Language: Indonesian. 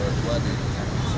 atau jawa tenggara sepanjang